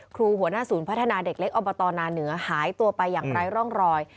หัวหน้าศูนย์พัฒนาเด็กเล็กอบตนาเหนือหายตัวไปอย่างไร้ร่องรอย